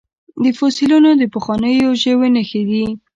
فوسیلیونه د پخوانیو ژویو نښې دي